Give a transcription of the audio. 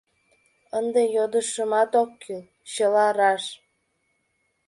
Ынде йодышымат ок кӱл — чыла раш!..